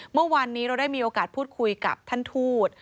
เมื่อวานนี้เราได้มีโอกาสพูดคุยกับท่านทูต